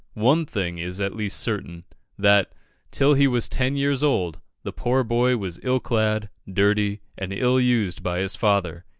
One thing is at least certain that, till he was ten years old, the poor boy was ill clad, dirty, and ill used by his father.